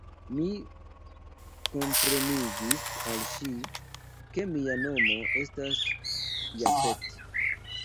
Mi komprenigis al ŝi, ke mia nomo estas Jafet.